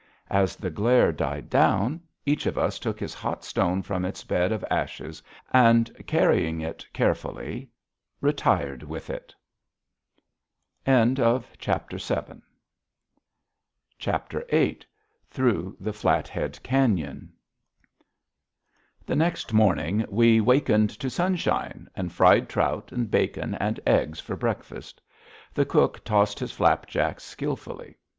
As the glare died down, each of us took his hot stone from its bed of ashes and, carrying it carefully, retired with it. VIII THROUGH THE FLATHEAD CAÑON The next morning we wakened to sunshine, and fried trout and bacon and eggs for breakfast. The cook tossed his flapjacks skillfully.